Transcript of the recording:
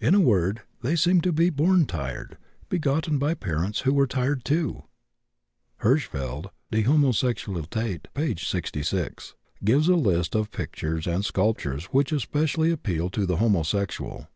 In a word, they seem to be 'born tired,' begotten by parents who were tired, too." Hirschfeld (Die Homosexualität, p. 66) gives a list of pictures and sculptures which specially appeal to the homosexual.